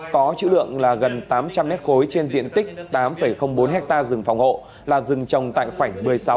có chữ lượng là gần tám trăm linh nét khối trên diện tích tám bốn ha rừng phòng hộ là rừng trồng tại khoảnh một mươi sáu